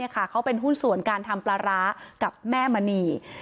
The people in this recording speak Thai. เขาเป็นหุ้นส่วนการทำปลาร้ากับแม่มณี